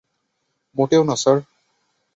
মোটেও না, স্যার।